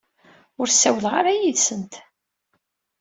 Ur ssawleɣ ara yid-sent.